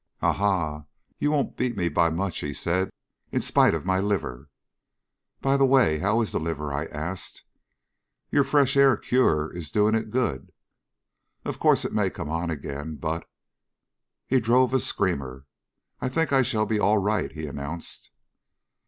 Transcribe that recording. "A ha, you won't beat me by much," he said, "in spite of my liver." "By the way, how is the liver?" I asked. "Your fresh air cure is doing it good. Of course it may come on again, but " He drove a screamer. "I think I shall be all right," he announced.